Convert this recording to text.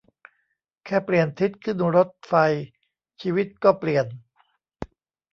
แค่เปลี่ยนทิศขึ้นรถไฟ ชีวิตก็เปลี่ยน